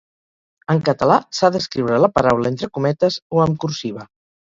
En català, s'ha d'escriure la paraula entre cometes o amb cursiva.